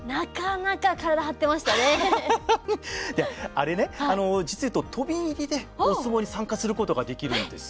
あれね実を言うと飛び入りでお相撲に参加することができるんです。